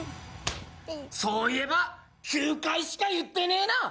そういえば９回しか言ってねえな！